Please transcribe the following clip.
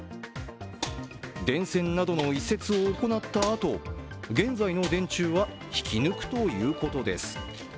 電線などの移設を行ったあと現在の電柱は引き抜くということです。